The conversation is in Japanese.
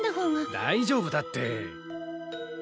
大丈夫だって！